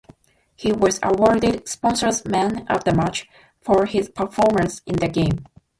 He was awarded Sponsor's Man of the Match for his performance in the game.